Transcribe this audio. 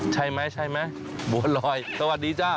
ใช่ไหมบัวลอยสวัสดีจ้า